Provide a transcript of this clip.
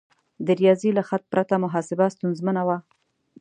د ریاضي له خط پرته محاسبه ستونزمنه وه.